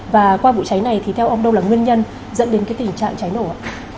và qua vụ cháy này thì theo ông đâu là nguyên nhân dẫn đến cái tình trạng cháy nổ